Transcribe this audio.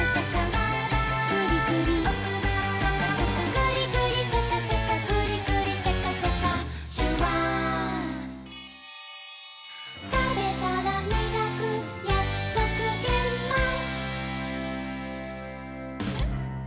「グリグリシャカシャカグリグリシャカシャカ」「シュワー」「たべたらみがくやくそくげんまん」